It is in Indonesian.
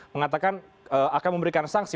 mengatakan akan memberikan sanksi